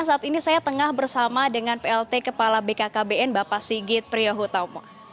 saat ini saya tengah bersama dengan plt kepala bkkbn bapak sigit priyohutama